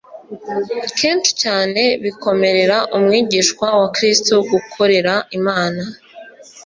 Kenshi cyane bikomerera umwigishwa wa Kristo gukorera Imana